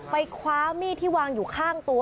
คว้ามีดที่วางอยู่ข้างตัว